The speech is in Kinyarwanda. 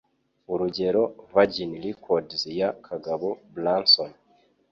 Urugero, Virgin Records ya Kagabo Branson,